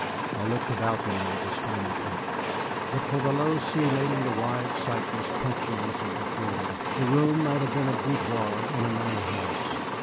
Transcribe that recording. I looked about me with astonishment. But for the low ceiling and the wide cypress puncheons of the floor the room might have been a budoir in a manor house.